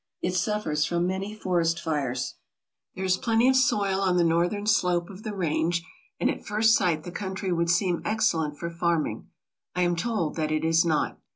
It suffers from many forest fires. There is plenty of soil on the northern slope of the range, and at first sight the country would seem excellent for farming. I am told that it is not.